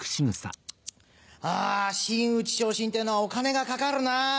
あ真打ち昇進っていうのはお金がかかるなぁ。